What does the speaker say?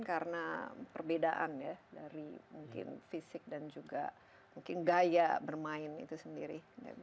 karena perbedaan ya dari mungkin fisik dan juga mungkin gaya bermain itu sendiri